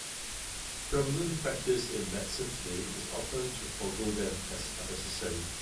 Prevalent practice in medicine today is often to forego them as unnecessary.